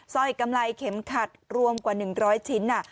ร้อยกำไรเข็มขัดรวมกว่า๑๐๐ชิ้น